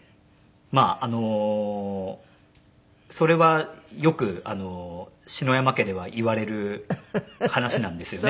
まああのそれはよく篠山家では言われる話なんですよね。